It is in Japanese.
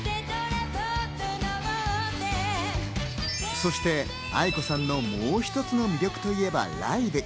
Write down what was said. そしてａｉｋｏさんのもう一つの魅力といえばライブ。